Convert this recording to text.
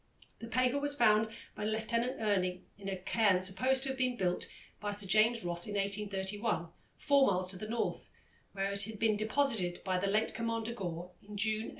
The paper was found by Lieutenant Irving in a cairn supposed to have been built by Sir James Ross in 1831, four miles to the north, where it had been deposited by the late Commander Gore in June 1847.